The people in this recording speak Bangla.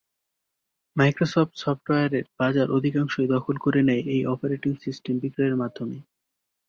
মাইক্রোসফট সফটওয়্যারের বাজার অধিকাংশই দখল করে নেয় এই অপারেটিং সিস্টেম বিক্রির মাধ্যমে।